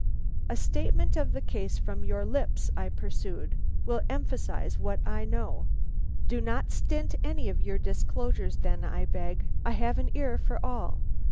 "A statement of the case from your lips," I pursued, "will emphasize what I know. Do not stint any of your disclosures, then, I beg. I have an ear for all."